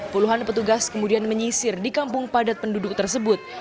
puluhan petugas kemudian menyisir di kampung padat penduduk tersebut